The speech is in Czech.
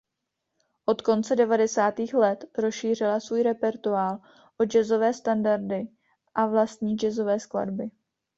Od konce devadesátých let rozšířila svůj repertoár o jazzové standardy a vlastní jazzové skladby.